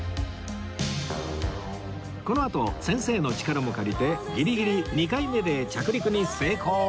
このあと先生の力も借りてギリギリ２回目で着陸に成功